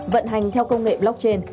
vận hành theo công nghệ blockchain